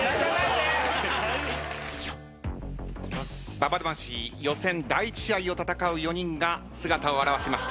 ＢＡＢＡ魂予選第１試合を戦う４人が姿を現しました。